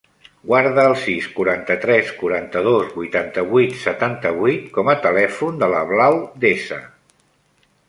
Guarda el sis, quaranta-tres, quaranta-dos, vuitanta-vuit, setanta-vuit com a telèfon de la Blau Deza.